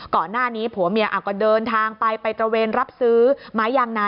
ก่อนหน้านี้ผัวเมียก็เดินทางไปไปตระเวนรับซื้อไม้ยางนา